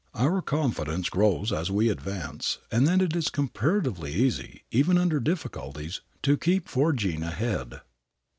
Our confidence grows as we advance and then it is comparatively easy, even under difficulties, to keep forging ahead.